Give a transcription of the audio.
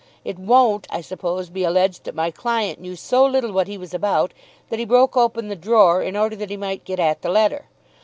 It won't, I suppose, be alleged that my client knew so little what he was about that he broke open the drawer in order that he might get at the letter.